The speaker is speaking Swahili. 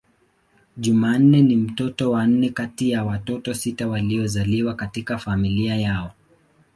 Jumanne ni mtoto wa nne kati ya watoto sita waliozaliwa katika familia yao.